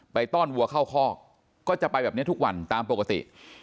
ต้อนวัวเข้าคอกก็จะไปแบบนี้ทุกวันตามปกติ